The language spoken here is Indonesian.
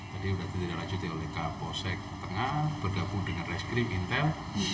tadi sudah dilanjutkan oleh kbosk tengah bergabung dengan reskrim intel